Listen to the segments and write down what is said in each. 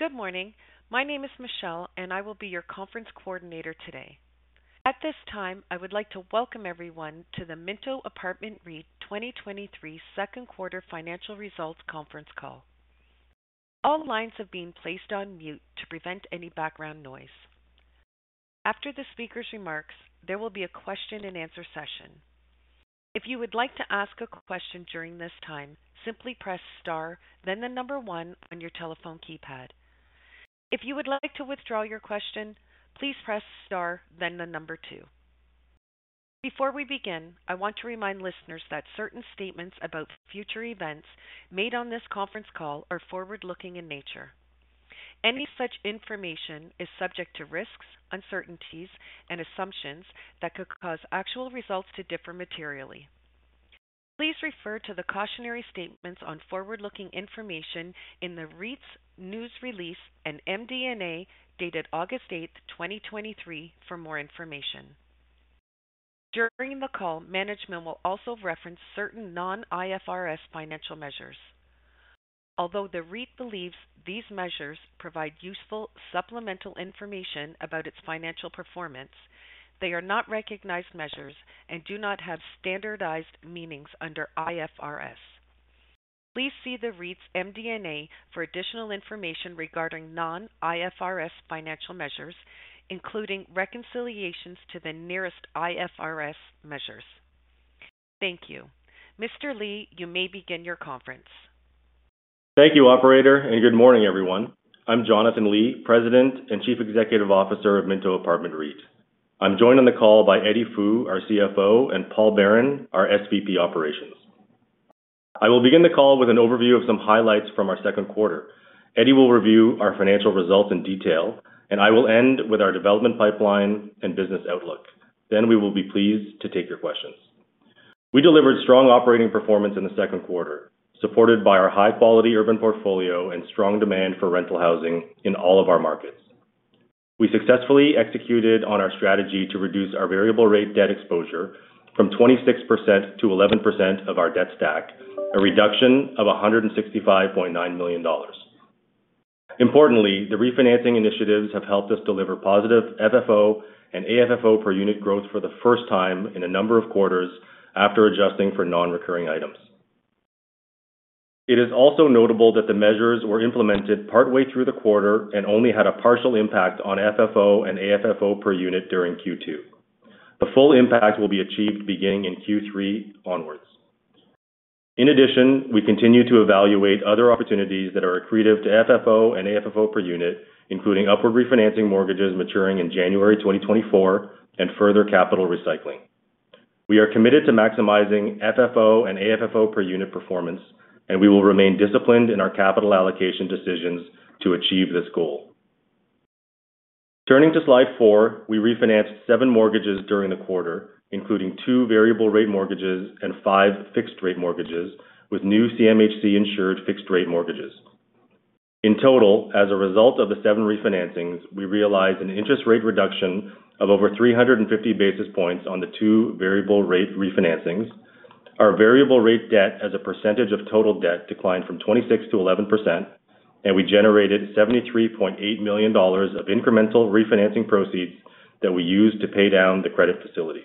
Good morning. My name is Michelle. I will be your conference coordinator today. At this time, I would like to welcome everyone to the Minto Apartment REIT 2023 Second Quarter Financial Results Conference Call. All lines have been placed on mute to prevent any background noise. After the speaker's remarks, there will be a question and answer session. If you would like to ask a question during this time, simply press Star, then one on your telephone keypad. If you would like to withdraw your question, please press Star, then two. Before we begin, I want to remind listeners that certain statements about future events made on this conference call are forward-looking in nature. Any such information is subject to risks, uncertainties, and assumptions that could cause actual results to differ materially. Please refer to the cautionary statements on forward-looking information in the REIT's news release and MD&A, dated August 8, 2023, for more information. During the call, management will also reference certain non-IFRS financial measures. Although the REIT believes these measures provide useful supplemental information about its financial performance, they are not recognized measures and do not have standardized meanings under IFRS. Please see the REIT's MD&A for additional information regarding non-IFRS financial measures, including reconciliations to the nearest IFRS measures. Thank you. Mr. Li, you may begin your conference. Thank you, operator, good morning, everyone. I'm Jonathan Li, President and Chief Executive Officer of Minto Apartment REIT. I'm joined on the call by Eddie Fu, our CFO, and Paul Baron, our SVP Operations. I will begin the call with an overview of some highlights from our second quarter. Eddie will review our financial results in detail, I will end with our development pipeline and business outlook. We will be pleased to take your questions. We delivered strong operating performance in the second quarter, supported by our high-quality urban portfolio and strong demand for rental housing in all of our markets. We successfully executed on our strategy to reduce our variable rate debt exposure from 26% to 11% of our debt stack, a reduction of 165.9 million dollars. Importantly, the refinancing initiatives have helped us deliver positive FFO and AFFO per unit growth for the first time in a number of quarters after adjusting for non-recurring items. It is also notable that the measures were implemented partway through the quarter and only had a partial impact on FFO and AFFO per unit during Q2. The full impact will be achieved beginning in Q3 onwards. In addition, we continue to evaluate other opportunities that are accretive to FFO and AFFO per unit, including upward refinancing mortgages maturing in January 2024 and further capital recycling. We are committed to maximizing FFO and AFFO per unit performance, and we will remain disciplined in our capital allocation decisions to achieve this goal. Turning to slide four, we refinanced seven mortgages during the quarter, including two variable rate mortgages and five fixed-rate mortgages, with new CMHC insured fixed-rate mortgages. In total, as a result of the two variable rate refinancings, we realized an interest rate reduction of over 350 basis points on the two variable rate refinancings. Our variable rate debt as a percentage of total debt declined from 26%-11%, and we generated 73.8 million dollars of incremental refinancing proceeds that we used to pay down the credit facility.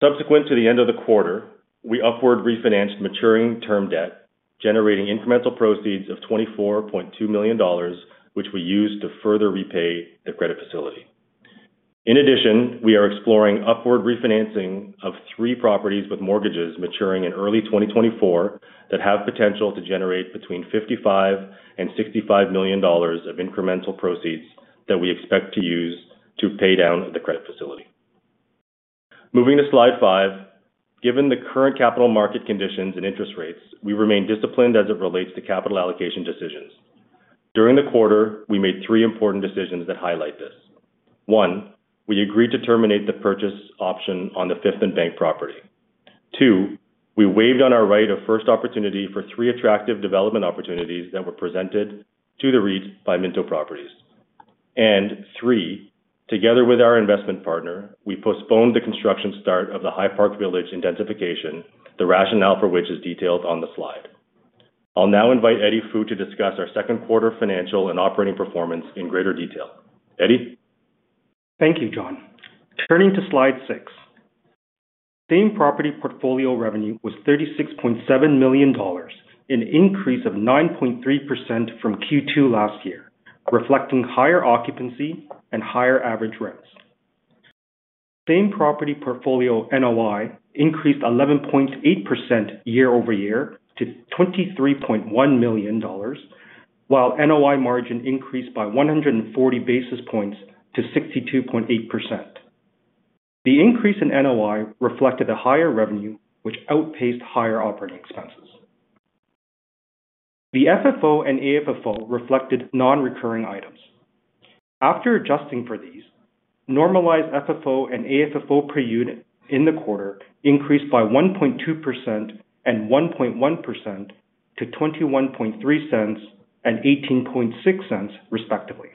Subsequent to the end of the quarter, we upward refinanced maturing term debt, generating incremental proceeds of 24.2 million dollars, which we used to further repay the credit facility. In addition, we are exploring upward refinancing of three properties with mortgages maturing in early 2024 that have potential to generate between 55 million and 65 million dollars of incremental proceeds that we expect to use to pay down the credit facility. Moving to slide five. Given the current capital market conditions and interest rates, we remain disciplined as it relates to capital allocation decisions. During the quarter, we made three important decisions that highlight this. One, we agreed to terminate the purchase option on the Fifth + Bank property. Two, we waived on our right of first opportunity for three attractive development opportunities that were presented to the REIT by Minto Properties. Three, together with our investment partner, we postponed the construction start of the High Park Village intensification, the rationale for which is detailed on the slide. I'll now invite Eddie Fu to discuss our second quarter financial and operating performance in greater detail. Eddie? Thank you, John. Turning to slide six. Same-property portfolio revenue was 36.7 million dollars, an increase of 9.3% from Q2 last year, reflecting higher occupancy and higher average rents. Same-property portfolio NOI increased 11.8% year-over-year to 23.1 million dollars, while NOI margin increased by 140 basis points to 62.8%. The increase in NOI reflected a higher revenue, which outpaced higher operating expenses. The FFO and AFFO reflected non-recurring items. After adjusting for these, normalized FFO and AFFO per unit in the quarter increased by 1.2% and 1.1% to 0.213 and 0.186, respectively.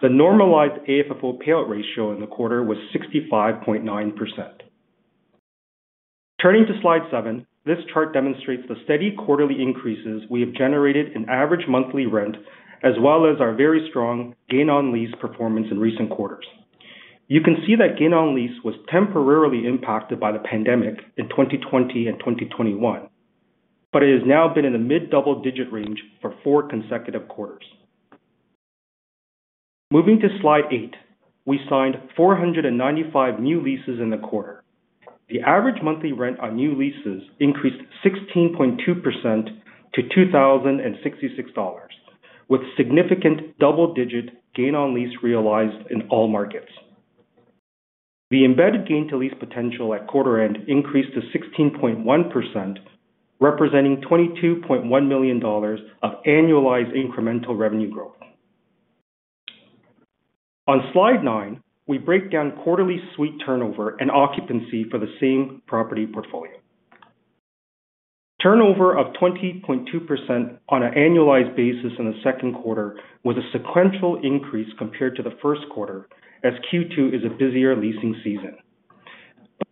The normalized AFFO payout ratio in the quarter was 65.9%. Turning to slide seven, this chart demonstrates the steady quarterly increases we have generated in average monthly rent, as well as our very strong gain on lease performance in recent quarters. You can see that gain on lease was temporarily impacted by the pandemic in 2020 and 2021, but it has now been in the mid-double digit range for four consecutive quarters. Moving to slide eight, we signed 495 new leases in the quarter. The average monthly rent on new leases increased 16.2% to 2,066 dollars, with significant double-digit gain on lease realized in all markets. The embedded gain to lease potential at quarter end increased to 16.1%, representing 22.1 million dollars of annualized incremental revenue growth. On slide nine, we break down quarterly suite turnover and occupancy for the same property portfolio. Turnover of 20.2% on an annualized basis in the second quarter was a sequential increase compared to the first quarter as Q2 is a busier leasing season.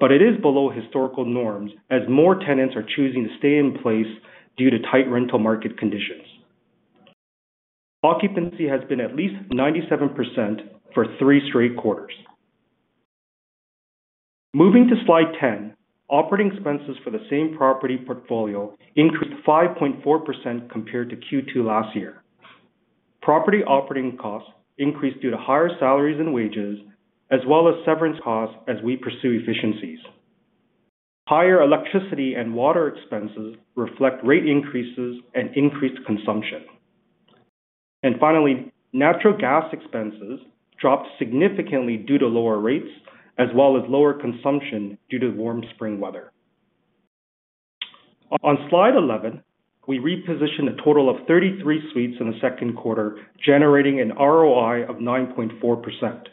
It is below historical norms as more tenants are choosing to stay in place due to tight rental market conditions. Occupancy has been at least 97% for three straight quarters. Moving to slide 10, operating expenses for the same property portfolio increased 5.4% compared to Q2 last year. Property operating costs increased due to higher salaries and wages, as well as severance costs as we pursue efficiencies. Higher electricity and water expenses reflect rate increases and increased consumption. Finally, natural gas expenses dropped significantly due to lower rates as well as lower consumption due to warm spring weather. On slide 11, we repositioned a total of 33 suites in the second quarter, generating an ROI of 9.4%.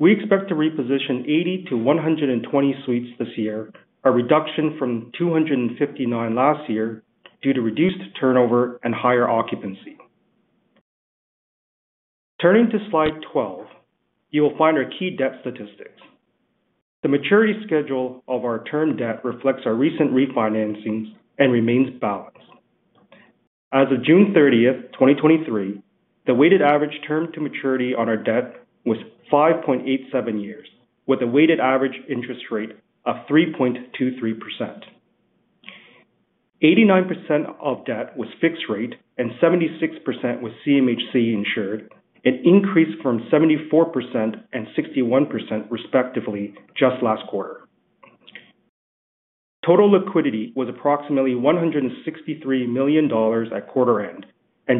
We expect to reposition 80-120 suites this year, a reduction from 259 last year, due to reduced turnover and higher occupancy. Turning to slide 12, you will find our key debt statistics. The maturity schedule of our term debt reflects our recent refinancings and remains balanced. As of June 30, 2023, the weighted average term to maturity on our debt was 5.87 years, with a weighted average interest rate of 3.23%. 89% of debt was fixed rate and 76% was CMHC insured. It increased from 74% and 61%, respectively, just last quarter. Total liquidity was approximately 163 million dollars at quarter end.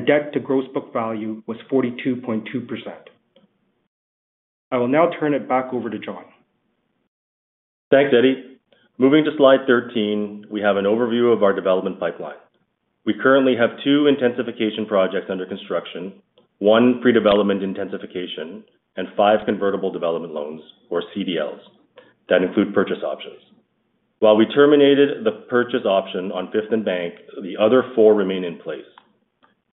Debt to gross book value was 42.2%. I will now turn it back over to Jon. Thanks, Eddie. Moving to slide 13, we have an overview of our development pipeline. We currently have two intensification projects under construction, one pre-development intensification, and one convertible development loans, or CDLs, that include purchase options. While we terminated the purchase option on Fifth + Bank, the other four remain in place.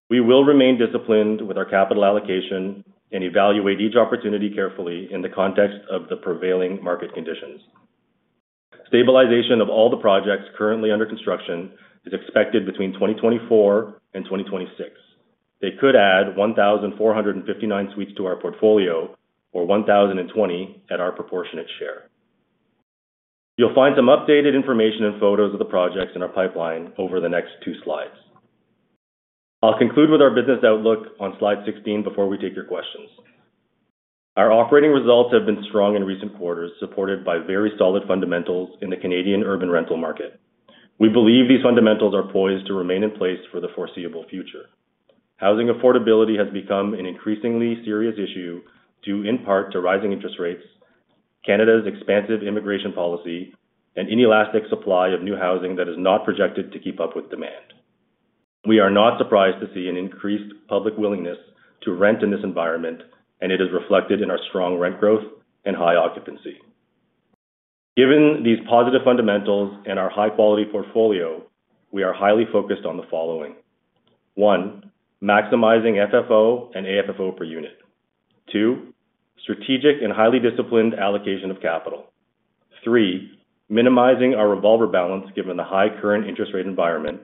We will remain disciplined with our capital allocation and evaluate each opportunity carefully in the context of the prevailing market conditions. Stabilization of all the projects currently under construction is expected between 2024 and 2026. They could add 1,459 suites to our portfolio, or 1,020 at our proportionate share. You'll find some updated information and photos of the projects in our pipeline over the next 2 slides. I'll conclude with our business outlook on slide 16 before we take your questions. Our operating results have been strong in recent quarters, supported by very solid fundamentals in the Canadian urban rental market. We believe these fundamentals are poised to remain in place for the foreseeable future. Housing affordability has become an increasingly serious issue, due in part to rising interest rates, Canada's expansive immigration policy, and inelastic supply of new housing that is not projected to keep up with demand. It is reflected in our strong rent growth and high occupancy. Given these positive fundamentals and our high-quality portfolio, we are highly focused on the following: one, maximizing FFO and AFFO per unit. Two strategic and highly disciplined allocation of capital. Three, minimizing our revolver balance given the high current interest rate environment.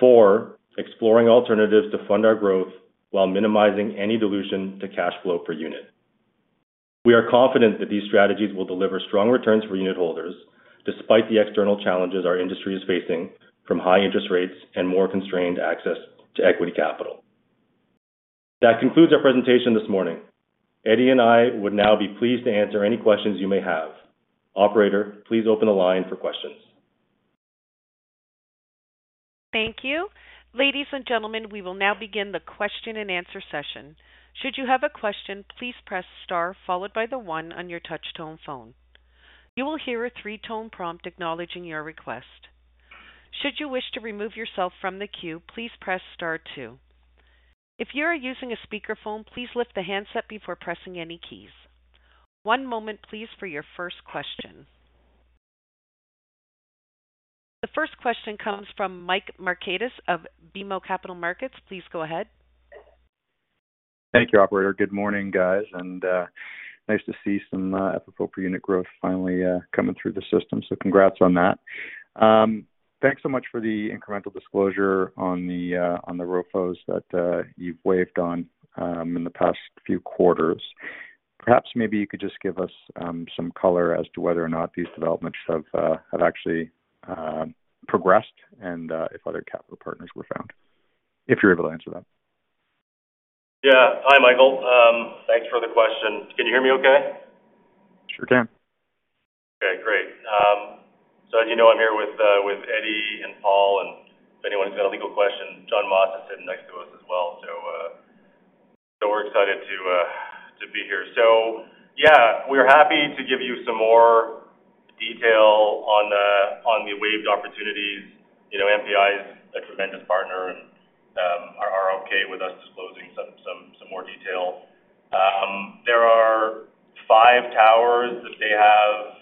Four, exploring alternatives to fund our growth while minimizing any dilution to cash flow per unit. We are confident that these strategies will deliver strong returns for unitholders, despite the external challenges our industry is facing from high interest rates and more constrained access to equity capital. That concludes our presentation this morning. Eddie and I would now be pleased to answer any questions you may have. Operator, please open the line for questions. Thank you. Ladies and gentlemen, we will now begin the question and answer session. Should you have a question, please press star followed by the one on your touch tone phone. You will hear a three-tone prompt acknowledging your request. Should you wish to remove yourself from the queue, please press star two. If you are using a speakerphone, please lift the handset before pressing any keys. One moment please for your first question. The first question comes from Mike Markidis of BMO Capital Markets. Please go ahead. Thank you, operator. Good morning, guys, and nice to see some FFO per unit growth finally coming through the system. Congrats on that. Thanks so much for the incremental disclosure on the on the ROFOs that you've waived on in the past few quarters. Perhaps maybe you could just give us some color as to whether or not these developments have have actually progressed and if other capital partners were found, if you're able to answer that. Yeah. Hi, Michael. Thanks for the question. Can you hear me okay? Sure can. Okay, great. You know, I'm here with Eddie and Paul, and if anyone's got a legal question, John Moss is sitting next to us as well. We're excited to be here. Yeah, we're happy to give you some more detail on the, on the waived opportunities. You know, MPI is a tremendous partner and are okay with us disclosing some, some, some more detail. There are five towers that they have,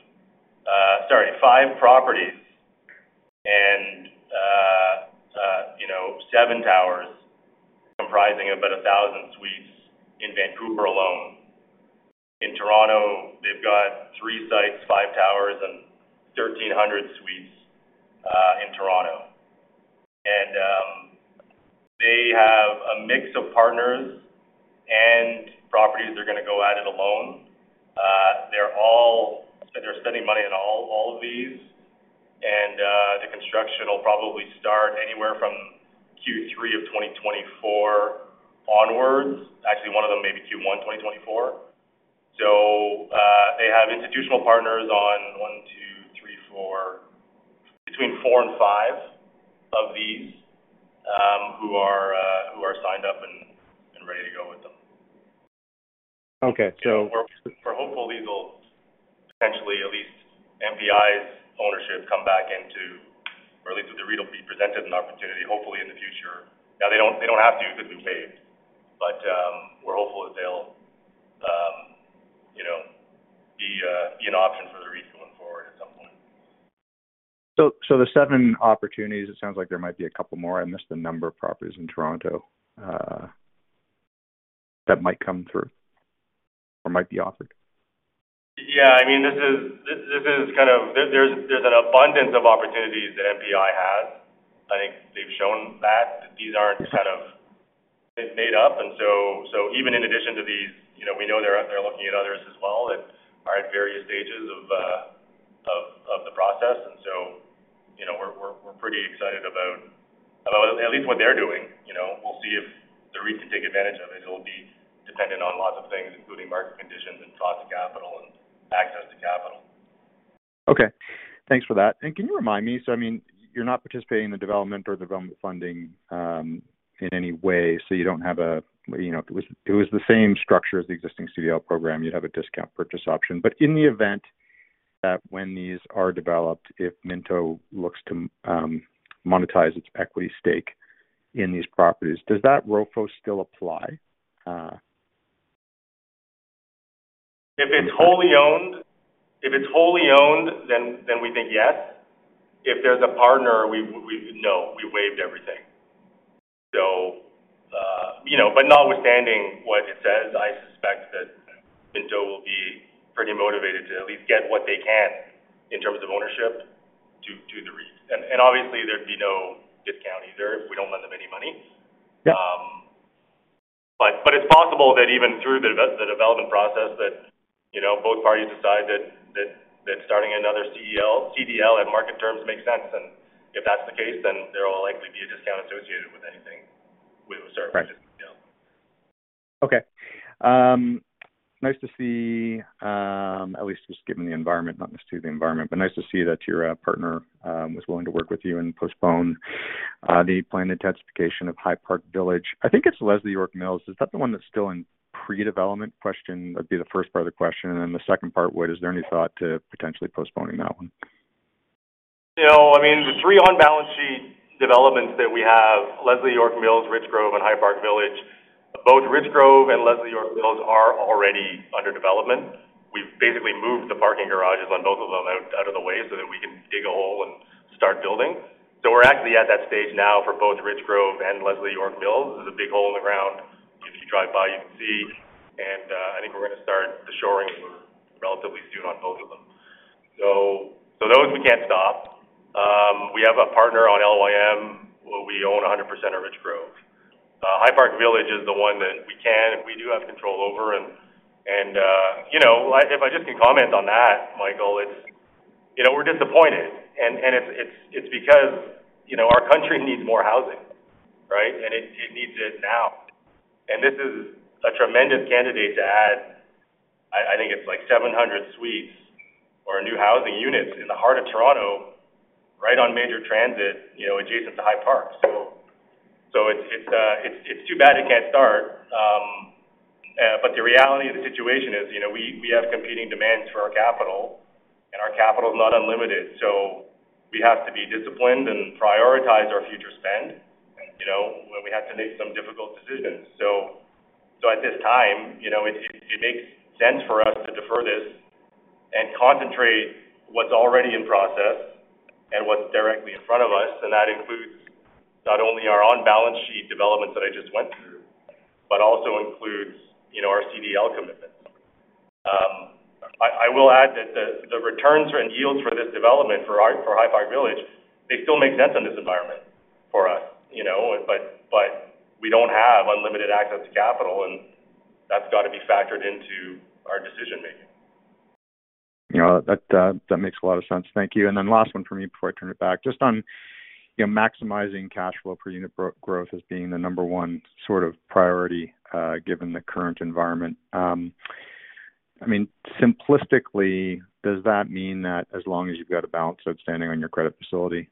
sorry, five properties and, you know, seven towers comprising about 1,000 suites in Vancouver alone. In Toronto, they've got three sites, five towers and 1,300 suites in Toronto. They have a mix of partners and properties they're going to go at it alone. They're spending money on all, all of these, and the construction will probably start anywhere from Q3 of 2024 onwards. Actually, one of them may be Q1 2024. They have institutional partners on one, two, three, four, between four and five of these, who are signed up and ready to go with them. Okay. We're hopeful these will potentially, at least MPI's ownership, come back into, or at least that the REIT will be presented an opportunity, hopefully in the future. They don't, they don't have to because we've waived, but we're hopeful that they'll, you know, be an option for the REIT to move forward at some point. The seven opportunities, it sounds like there might be a couple more. I missed the number of properties in Toronto that might come through or might be offered. Yeah, I mean, this is. There's an abundance of opportunities that MPI has. I think they've shown that these aren't kind of made up. So, even in addition to these, you know, we know they're looking at others as well and are at various stages of the process. So, you know, we're pretty excited about at least what they're doing. You know, we'll see if the REIT can take advantage of it. It'll be dependent on lots of things, including market conditions and cost of capital and access to capital. Okay, thanks for that. Can you remind me, I mean, you're not participating in the development or development funding in any way, so you know, it was, it was the same structure as the existing CDL program. You'd have a discount purchase option. In the event that when these are developed, if Minto looks to monetize its equity stake in these properties, does that ROFO still apply? If it's wholly owned, if it's wholly owned, then, then we think, yes. If there's a partner, we, no, we waived everything. You know, but notwithstanding what it says, I suspect that Minto will be pretty motivated to at least get what they can in terms of ownership to, to the REIT. Obviously, there'd be no discount either if we don't lend them any money. Yeah. But it's possible that even through the development process, that, you know, both parties decide that, that, that starting another CDL at market terms makes sense, and if that's the case, then there will likely be a discount associated with anything we start with. Okay. Nice to see, at least just given the environment, not necessarily the environment, but nice to see that your partner was willing to work with you and postpone the planned intensification of High Park Village. I think it's Leslie York Mills. Is that the one that's still in pre-development? That'd be the first part of the question. Is there any thought to potentially postponing that one? You know, I mean, the three on-balance sheet developments that we have, Leslie York Mills, Richgrove, and High Park Village. Both Richgrove and Leslie York Mills are already under development. We've basically moved the parking garages on both of them out, out of the way so that we can dig a hole and start building. We're actually at that stage now for both Richgrove and Leslie York Mills. There's a big hole in the ground. If you drive by, you can see, and I think we're going to start the shoring relatively soon on both of them. So those we can't stop. We have a partner on LYM, where we own 100% of Richgrove. High Park Village is the one that we can, we do have control over and, and, you know, if I just can comment on that, Michael, it's... You know, we're disappointed, and it's because, you know, our country needs more housing, right? It, it needs it now. This is a tremendous candidate to add, I think it's like 700 suites or new housing units in the heart of Toronto, right on major transit, you know, adjacent to High Park. It's too bad it can't start. The reality of the situation is, you know, we, we have competing demands for our capital, and our capital is not unlimited, so we have to be disciplined and prioritize our future spend, and, you know, we have to make some difficult decisions. At this time, you know, it makes sense for us to defer this-... Concentrate what's already in process and what's directly in front of us. That includes not only our on-balance sheet developments that I just went through. Also includes, you know, our CDL commitments. I, I will add that the, the returns and yields for this development for our High Park Village, they still make sense in this environment for us, you know, but we don't have unlimited access to capital. That's got to be factored into our decision-making. You know, that, that makes a lot of sense. Thank you. Then last one for me before I turn it back. Just on, you know, maximizing cash flow per unit growth as being the number one sort of priority, given the current environment. I mean, simplistically, does that mean that as long as you've got a balance outstanding on your credit facility,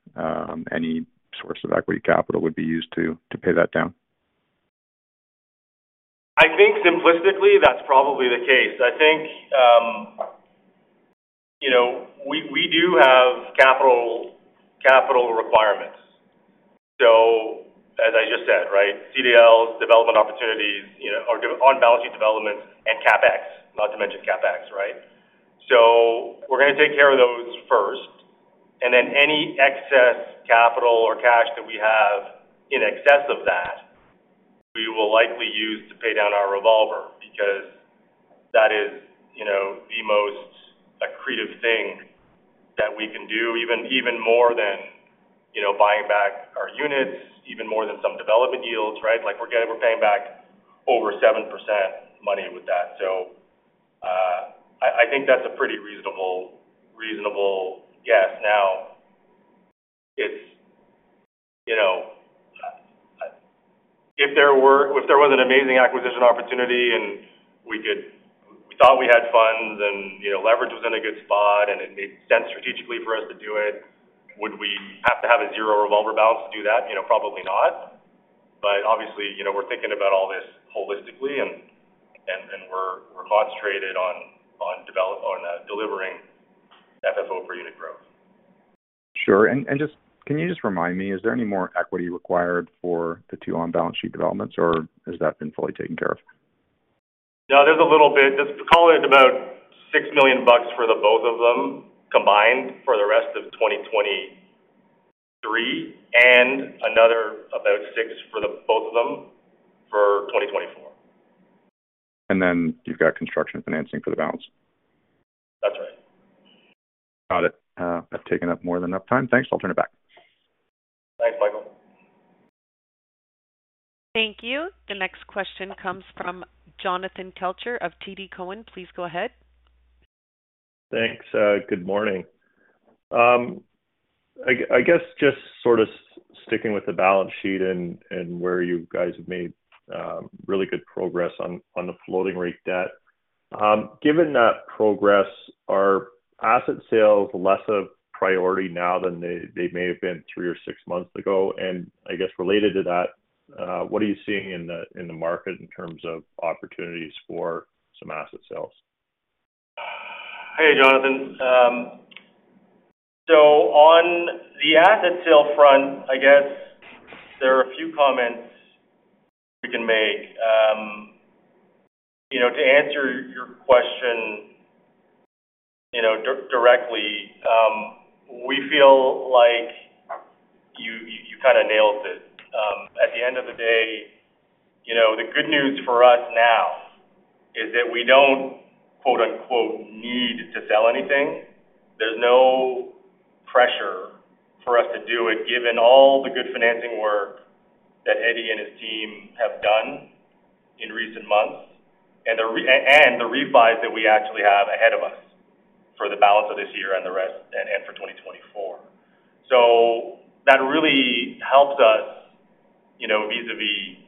any source of equity capital would be used to, to pay that down? I think simplistically, that's probably the case. I think, you know, we, we do have capital, capital requirements. As I just said, right, CDLs, development opportunities, you know, or on-balance sheet developments and CapEx, not to mention CapEx, right? We're going to take care of those first, and then any excess capital or cash that we have in excess of that, we will likely use to pay down our revolver because that is, you know, the most accretive thing that we can do, even, even more than, you know, buying back our units, even more than some development yields, right? Like, we're getting we're paying back over 7% money with that. I, I think that's a pretty reasonable, reasonable guess. It's, you know, if there was an amazing acquisition opportunity and we thought we had funds and, you know, leverage was in a good spot, and it made sense strategically for us to do it, would we have to have a zero revolver balance to do that? You know, probably not. Obviously, you know, we're thinking about all this holistically and, and, and we're, we're concentrated on, on delivering FFO per unit growth. Sure. Just can you just remind me, is there any more equity required for the two on-balance sheet developments, or has that been fully taken care of? No, there's a little bit. Just call it about 6 million bucks for the both of them combined, for the rest of 2023, and another about 6 million for the both of them for 2024. Then you've got construction financing for the balance? That's right. Got it. I've taken up more than enough time. Thanks. I'll turn it back. Thanks, Michael. Thank you. The next question comes from Jonathan Kelcher of TD Cowen. Please go ahead. Thanks. Good morning. I guess just sort of sticking with the balance sheet and where you guys have made really good progress on, on the floating rate debt. Given that progress, are asset sales less of a priority now than they, they may have been three or six months ago? I guess related to that, what are you seeing in the market in terms of opportunities for some asset sales? Hey, Jonathan. On the asset sale front, I guess there are a few comments we can make. You know, to answer your question, you know, directly, we feel like you, you, you kind of nailed it. At the end of the day, you know, the good news for us now is that we don't, quote-unquote, "need to sell anything." There's no pressure for us to do it, given all the good financing work that Eddie and his team have done in recent months, and the refis that we actually have ahead of us for the balance of this year and for 2024. That really helps us, you know, vis-à-vis,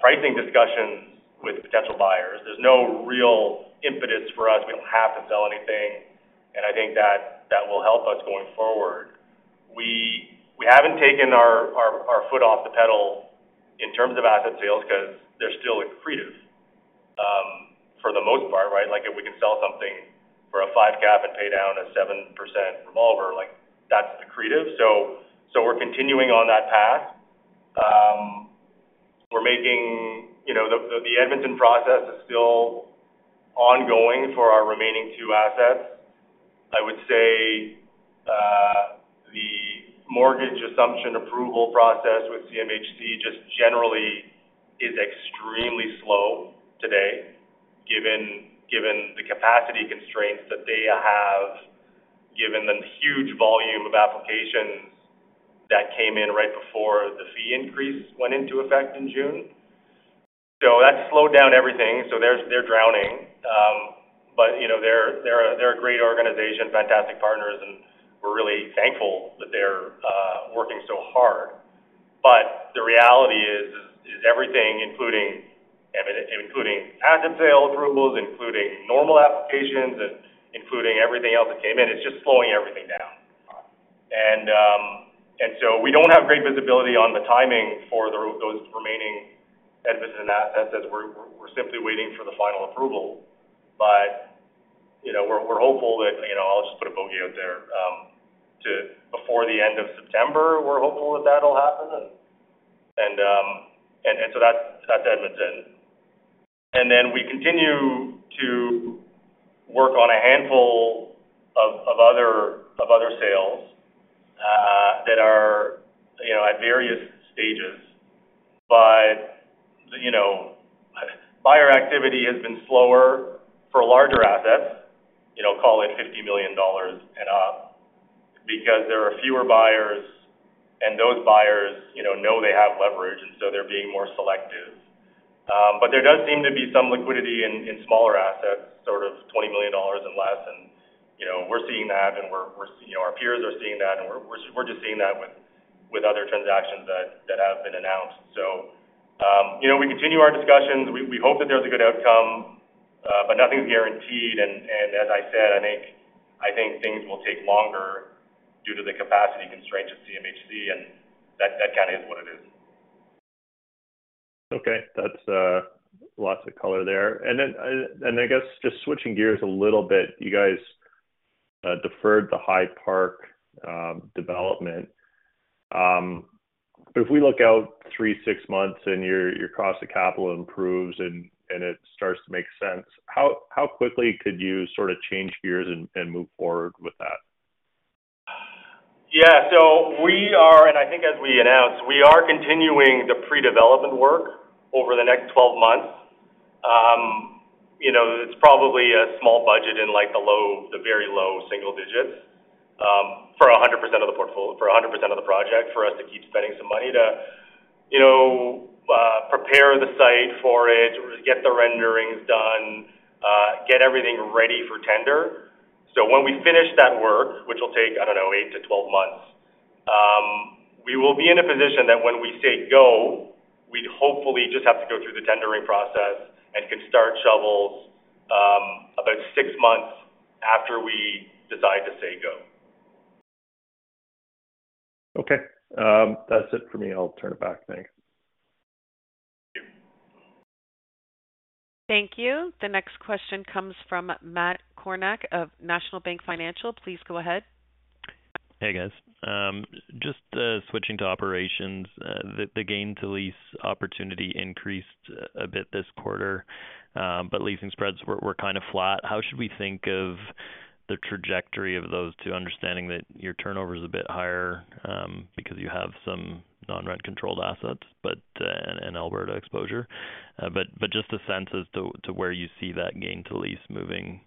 pricing discussions with potential buyers. There's no real impetus for us. We don't have to sell anything. I think that, that will help us going forward. We haven't taken our foot off the pedal in terms of asset sales because they're still accretive for the most part, right? Like, if we can sell something for a five cap and pay down a 7% revolver, like, that's accretive. We're continuing on that path. We're making... You know, the Edmonton process is still ongoing for our remaining two assets. I would say, the mortgage assumption approval process with CMHC just generally is extremely slow today, given the capacity constraints that they have, given the huge volume of applications that came in right before the fee increase went into effect in June. That slowed down everything, so they're drowning. You know, they're, they're a, they're a great organization, fantastic partners, and we're really thankful that they're working so hard. The reality is, is, is everything, including including asset sale approvals, including normal applications, and including everything else that came in, it's just slowing everything down. So we don't have great visibility on the timing for those remaining Edmonton assets, as we're, we're simply waiting for the final approval. You know, we're, we're hopeful that, you know, before the end of September, we're hopeful that that'll happen. So that's, that's Edmonton. Then we continue to work on a handful of, of other, of other sales that are, you know, at various stages. You know, buyer activity has been slower for larger assets, you know, call it 50 million dollars and up, because there are fewer buyers, and those buyers, you know, know they have leverage, and so they're being more selective. There does seem to be some liquidity in, in smaller assets, sort of 20 million dollars and less. You know, we're seeing that, and we're, we're, you know, our peers are seeing that, and we're, we're just seeing that with, with other transactions that, that have been announced. You know, we continue our discussions. We, we hope that there's a good outcome, nothing's guaranteed. As I said, I think, I think things will take longer due to the capacity constraints of CMHC, and that, that kind of is what it is. Okay. That's lots of color there. I guess just switching gears a little bit, you guys deferred the Hyde Park development. If we look out three, six months and your, your cost of capital improves and, and it starts to make sense, how, how quickly could you sort of change gears and, and move forward with that? Yeah. I think as we announced, we are continuing the pre-development work over the next 12 months. You know, it's probably a small budget in, like, the low, the very low single digits, for 100% of the project, for us to keep spending some money to, you know, prepare the site for it, get the renderings done, get everything ready for tender. When we finish that work, which will take, I don't know, eight to 12 months, we will be in a position that when we say go, we'd hopefully just have to go through the tendering process and can start shovels, about six months after we decide to say go. Okay. That's it for me. I'll turn it back. Thanks. Thank you. Thank you. The next question comes from Matt Kornack of National Bank Financial. Please go ahead. Hey, guys. Just switching to operations, the, the gain to lease opportunity increased a bit this quarter, but leasing spreads were, were kind of flat. How should we think of the trajectory of those two, understanding that your turnover is a bit higher, because you have some non-rent controlled assets, but and Alberta exposure? Just a sense as to, to where you see that gain to lease moving,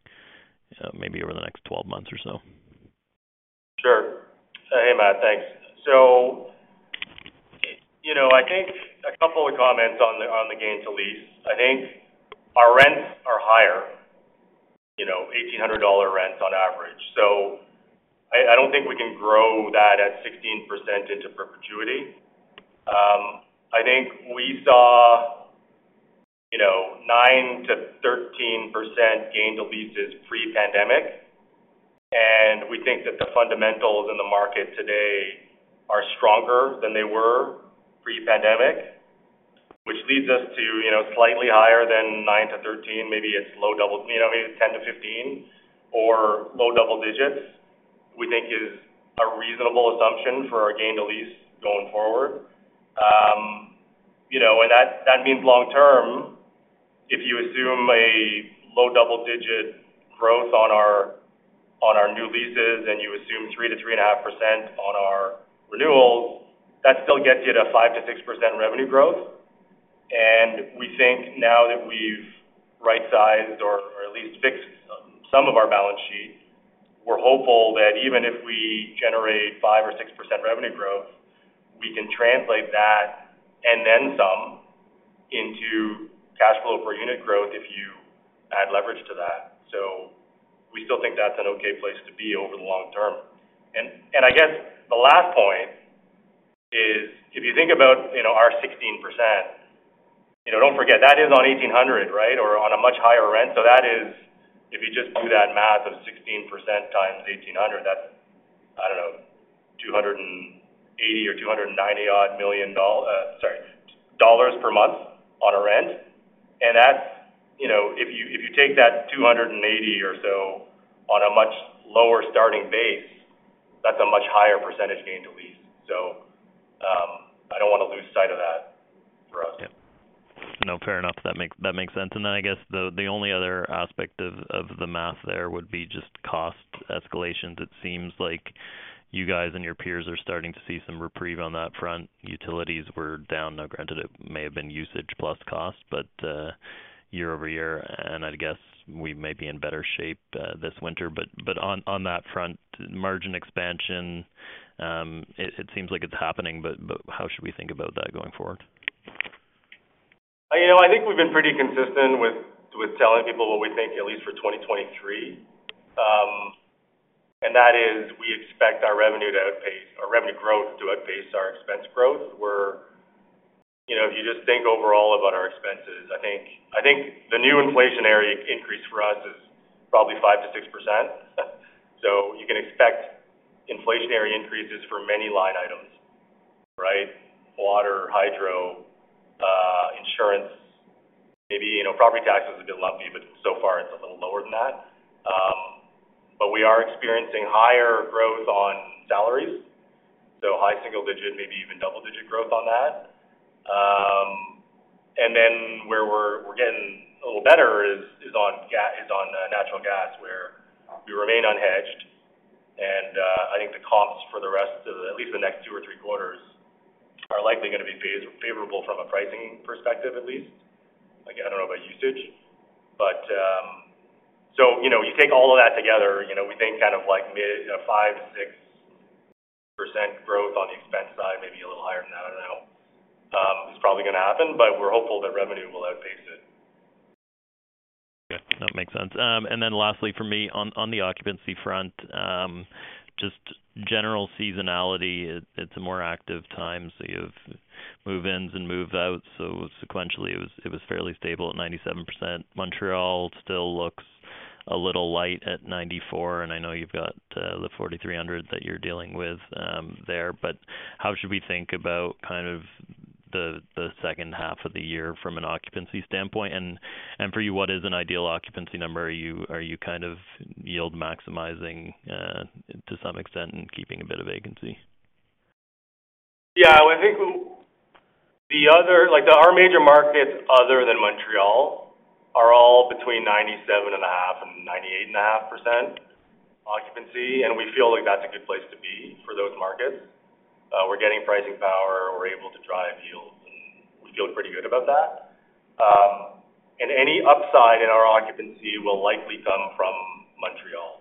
maybe over the next 12 months or so. Sure. Hey, Matt, thanks. You know, I think a couple of comments on the gain to lease. I think our rents are higher, you know, 1,800 dollar rents on average, so I don't think we can grow that at 16% into perpetuity. I think we saw, you know, 9%-13% gain to leases pre-pandemic, and we think that the fundamentals in the market today are stronger than they were pre-pandemic, which leads us to, you know, slightly higher than 9%-13%. Maybe it's, you know, 10%-15% or low double digits, we think is a reasonable assumption for our gain to lease going forward. That, that means long term, if you assume a low double-digit growth on our, on our new leases, and you assume 3%-3.5% on our renewals, that still gets you to 5%-6% revenue growth. We think now that we've right-sized or, or at least fixed some, some of our balance sheet, we're hopeful that even if we generate 5% or 6% revenue growth, we can translate that and then some into cash flow per unit growth if you add leverage to that. We still think that's an okay place to be over the long term. I guess the last point is, if you think about our 16%, don't forget that is on 1,800, right? Or on a much higher rent. That is, if you just do that math of 16% x 1,800, that's, I don't know, 280 million or 290 million dollars per month on our rent. That's, you know, if you, if you take that 280 or so on a much lower starting base, that's a much higher percentage gain to lease. I don't want to lose sight of that for us. Yeah. No, fair enough. That makes, that makes sense. I guess the only other aspect of the math there would be just cost escalations. It seems like you guys and your peers are starting to see some reprieve on that front. Utilities were down. Now, granted, it may have been usage plus cost, but year-over-year, I guess we may be in better shape this winter. On that front, margin expansion, it seems like it's happening, how should we think about that going forward? You know, I think we've been pretty consistent with, with telling people what we think, at least for 2023. That is, we expect our revenue growth to outpace our expense growth. Where, you know, if you just think overall about our expenses, I think, I think the new inflationary increase for us is probably 5%-6%. You can expect inflationary increases for many line items, right? Water, hydro, you know, property tax is a bit lumpy, but so far it's a little lower than that. We are experiencing higher growth on salaries, high single digit, maybe even double-digit growth on that. Where we're getting a little better is on natural gas, where we remain unhedged. I think the comps for the rest of the at least the next two or three quarters, are likely going to be favorable from a pricing perspective, at least. Again, I don't know about usage, but you take all of that together, we think kind of like mid 5%-6% growth on the expense side, maybe a little higher than that, I don't know. It's probably going to happen, but we're hopeful that revenue will outpace it. Yeah, that makes sense. Then lastly, for me, on, on the occupancy front, just general seasonality. It, it's a more active time, so you have move-ins and move-outs. Sequentially, it was, it was fairly stable at 97%. Montreal still looks a little light at 94, and I know you've got the Le 4300 that you're dealing with there. How should we think about kind of the, the second half of the year from an occupancy standpoint? For you, what is an ideal occupancy number? Are you, are you kind of yield maximizing to some extent and keeping a bit of vacancy? Yeah, well, I think like our major markets other than Montreal, are all between 97.5 and 98.5% occupancy, and we feel like that's a good place to be for those markets. We're getting pricing power, we're able to drive yields, and we feel pretty good about that. Any upside in our occupancy will likely come from Montreal.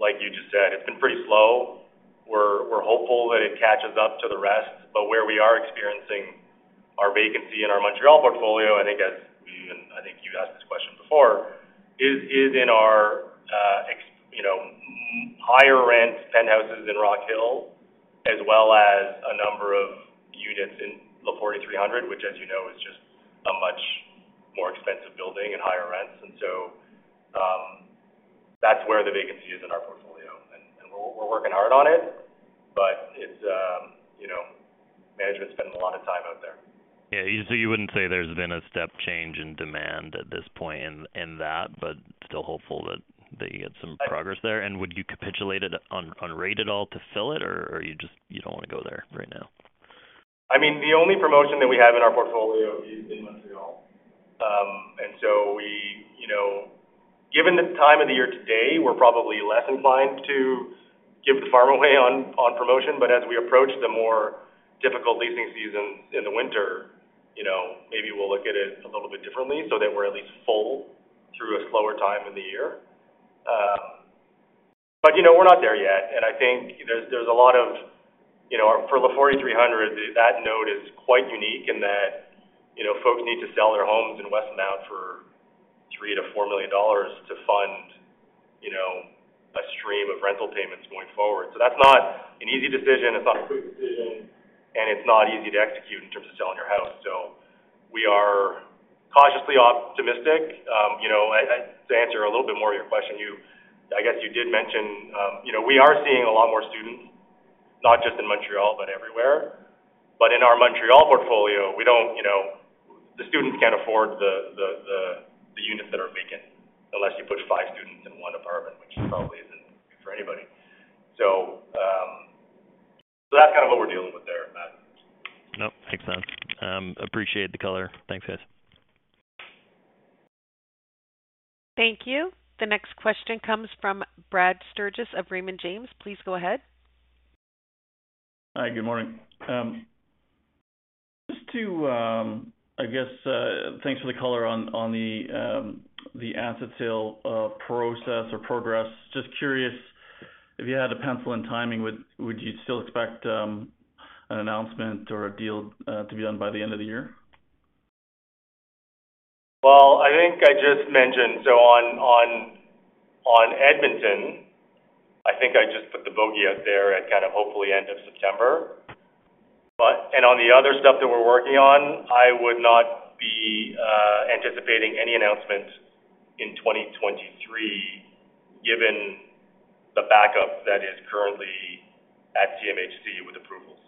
Like you just said, it's been pretty slow. We're hopeful that it catches up to the rest, but where we are experiencing our vacancy in our Montreal portfolio, I think as we-- and I think you asked this question before, is in our, you know, higher rent penthouses in Rockhill, as well as a number of units in Le 4300, which, as you know, is just a much more expensive building and higher rents. That's where the vacancy is in our portfolio, and, and we're, we're working hard on it, but it's, you know, management spends a lot of time out there. Yeah. You wouldn't say there's been a step change in demand at this point in, in that, but still hopeful that, that you get some progress there. Would you capitulate it on, on rate at all to fill it, or, or you just, you don't want to go there right now? I mean, the only promotion that we have in our portfolio is in Montreal. We, you know, given the time of the year today, we're probably less inclined to give the farm away on, on promotion. As we approach the more difficult leasing seasons in the winter, you know, maybe we'll look at it a little bit differently so that we're at least full through a slower time in the year. You know, we're not there yet, and I think there's, there's a lot of, you know, for Le 4300, that note is quite unique in that, you know, folks need to sell their homes in Westmount for 3 million-4 million dollars to fund, you know, a stream of rental payments going forward. That's not an easy decision, it's not a quick decision, and it's not easy to execute in terms of selling your house. We are cautiously optimistic. You know, to answer a little bit more of your question, I guess you did mention, you know, we are seeing a lot more students, not just in Montreal, but everywhere. In our Montreal portfolio, we don't, you know, the students can't afford the, the, the, the units that are vacant unless you put five students in one apartment, which probably isn't good for anybody. That's kind of what we're dealing with there, Matt. Nope. Makes sense. Appreciate the color. Thanks, guys. Thank you. The next question comes from Brad Sturges of Raymond James. Please go ahead. Hi, good morning. just to, I guess, thanks for the color on the asset sale process or progress. Just curious, if you had a pencil and timing, would you still expect an announcement or a deal to be done by the end of the year? Well, I think I just mentioned, so on Edmonton, I think I just put the bogey out there at kind of hopefully end of September. On the other stuff that we're working on, I would not be anticipating any announcements in 2023, given the backup that is currently at CMHC with approvals.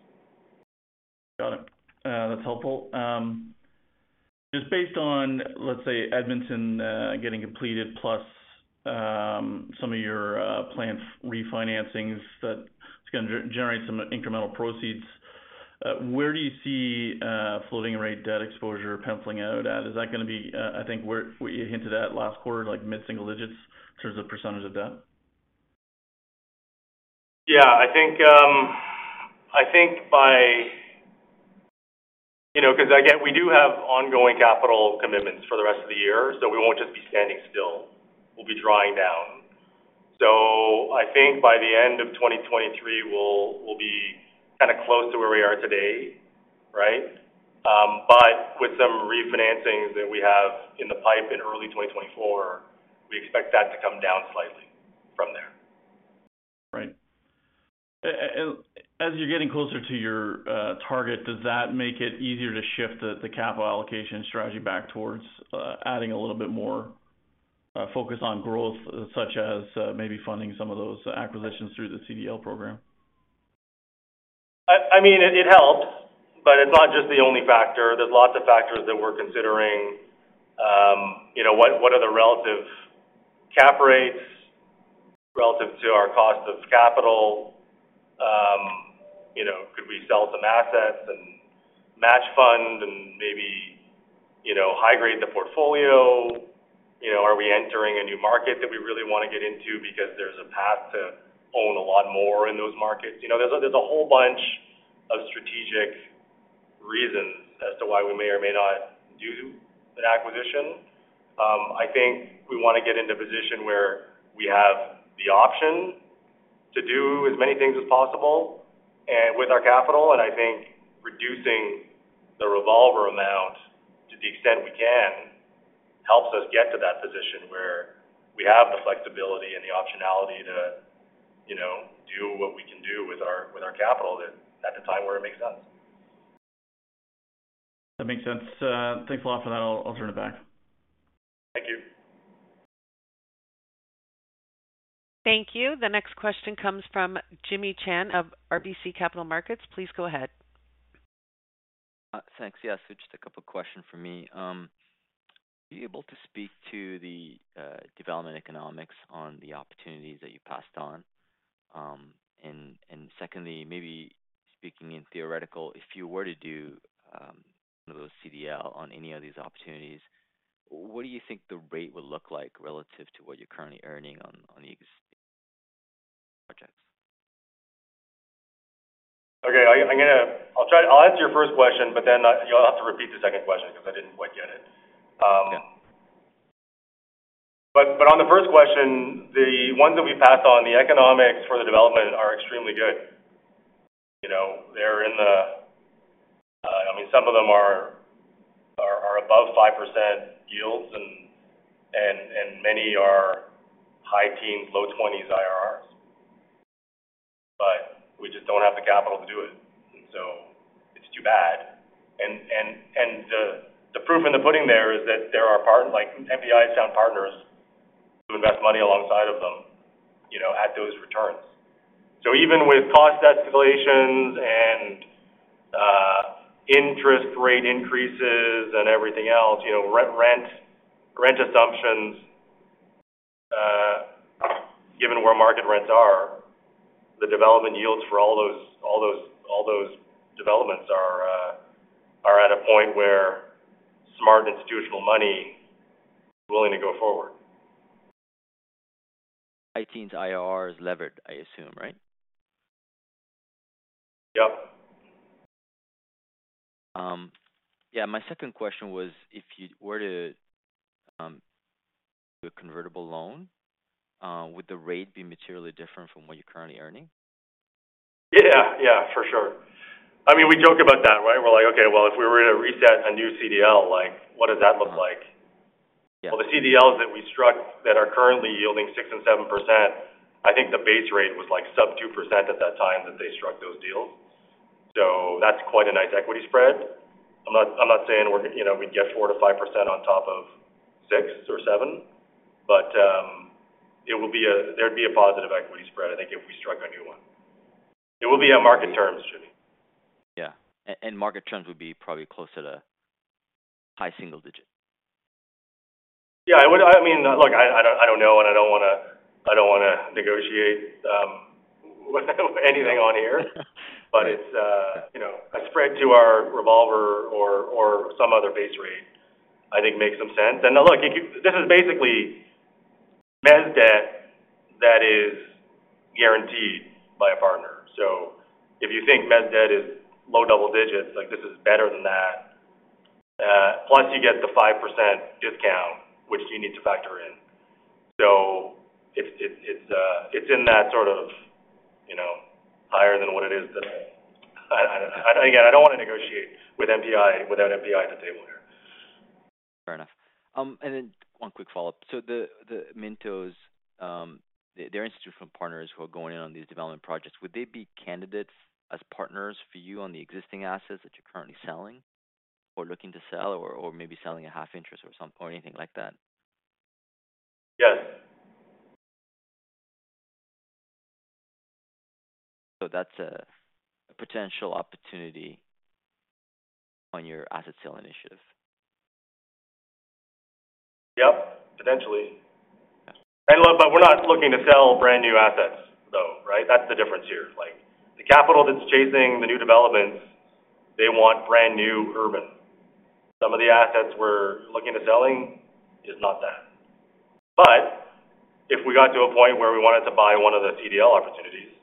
Got it. That's helpful. Just based on, let's say, Edmonton, getting completed, plus, some of your planned refinancings, that it's going to generate some incremental proceeds. Where do you see floating rate debt exposure penciling out at? Is that going to be, I think, where you hinted at last quarter, like mid-single digits in terms of % of debt? Yeah, I think, I think. You know, because again, we do have ongoing capital commitments for the rest of the year, so we won't just be standing still, we'll be drawing down. I think by the end of 2023, we'll, we'll be kind of close to where we are today, right? With some refinancings that we have in the pipe in early 2024, we expect that to come down slightly from there. Right. As you're getting closer to your target, does that make it easier to shift the, the capital allocation strategy back towards adding a little bit more focus on growth, such as maybe funding some of those acquisitions through the CDL program? I, I mean, it, it helps, but it's not just the only factor. There's lots of factors that we're considering. You know, what, what are the relative cap rates relative to our cost of capital? You know, could we sell some assets and match fund and maybe, you know, high grade the portfolio? You know, are we entering a new market that we really want to get into because there's a path to own a lot more in those markets? You know, there's a, there's a whole bunch of strategic reasons as to why we may or may not do an acquisition. I think we want to get into a position where we have the option to do as many things as possible and with our capital. I think reducing the revolver amount to the extent we can, helps us get to that position where we have the flexibility and the optionality to, you know, do what we can do with our, with our capital at, at a time where it makes sense. That makes sense. Thanks a lot for that. I'll turn it back. Thank you. Thank you. The next question comes from Jimmy Shan of RBC Capital Markets. Please go ahead. Thanks. Yes, just two questions for me. Are you able to speak to the development economics on the opportunities that you passed on? Secondly, maybe speaking in theoretical, if you were to do those CDL on any of these opportunities, what do you think the rate would look like relative to what you're currently earning on the projects? Okay. I, I'm gonna-- I'll try... I'll answer your first question, then you'll have to repeat the second question because I didn't quite get it. On the first question, the ones that we passed on, the economics for the development are extremely good. You know, they're in the, I mean, some of them are, are, are above 5% yields, many are high teens, low 20s IRRs, we just don't have the capital to do it, it's too bad. The, the proof in the pudding there is that there are part-- like, MPI sound partners to invest money alongside of them, you know, at those returns. Even with cost escalations and interest rate increases and everything else, you know, rent, rent, rent assumptions, given where market rents are, the development yields for all those, all those, all those developments are at a point where smart institutional money is willing to go forward. High teens IRRs levered, I assume, right? Yep. Yeah. My second question was: if you were to do a convertible loan, would the rate be materially different from what you're currently earning? Yeah. Yeah, for sure. I mean, we joke about that, right? We're like, okay, well, if we were to reset a new CDL, like, what does that look like? Yeah. The CDLs that we struck that are currently yielding 6% and 7%, I think the base rate was like sub 2% at that time that they struck those deals. That's quite a nice equity spread. I'm not, I'm not saying we're, you know, we'd get 4%-5% on top of six or seven, but there'd be a positive equity spread, I think, if we struck a new one. It will be on market terms, Jimmy. Yeah. Market terms would be probably closer to high single digit. Yeah, I would-- I mean, look, I, I don't, I don't know, and I don't wanna, I don't wanna negotiate anything on here. Yeah. It's, you know, a spread to our revolver or, or some other base rate, I think makes some sense. Now, look, this is basically mezz debt that is guaranteed by a partner. If you think mezz debt is low double digits, like this is better than that. Plus, you get the 5% discount, which you need to factor in. It's, it's, it's, it's in that sort of, you know, higher than what it is today. I, I, again, I don't want to negotiate with MPI, without MPI at the table here. Fair enough. One quick follow-up. The Minto, their institutional partners who are going in on these development projects, would they be candidates as partners for you on the existing assets that you're currently selling or looking to sell, or maybe selling a half interest or something, or anything like that? Yes. That's a, a potential opportunity on your asset selling initiatives. Yep, potentially. Yeah. Look, but we're not looking to sell brand-new assets, though, right? That's the difference here. Like, the capital that's chasing the new developments, they want brand new urban. Some of the assets we're looking to selling is not that. If we got to a point where we wanted to buy one of the CDL opportunities,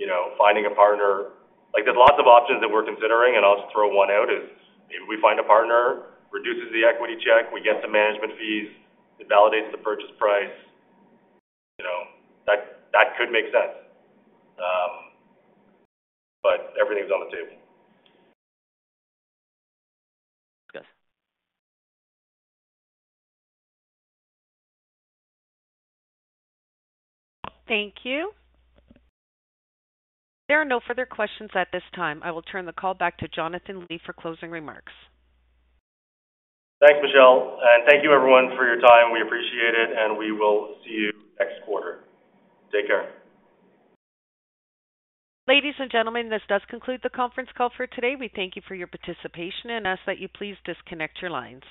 you know, finding a partner, like, there's lots of options that we're considering, and I'll just throw one out is, if we find a partner, reduces the equity check, we get some management fees, it validates the purchase price. You know, that, that could make sense. Everything's on the table. Good. Thank you. There are no further questions at this time. I will turn the call back to Jonathan Li for closing remarks. Thanks, Michelle, and thank you, everyone, for your time. We appreciate it, and we will see you next quarter. Take care. Ladies and gentlemen, this does conclude the conference call for today. We thank you for your participation and ask that you please disconnect your lines.